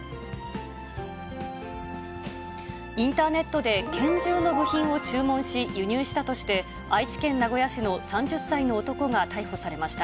インターネットで拳銃の部品を注文し、輸入したとして、愛知県名古屋市の３０歳の男が逮捕されました。